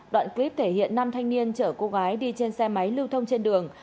đoạn clip thể hiện năm thanh niên chở cô gái đi trên xe máy lưu thông trên đường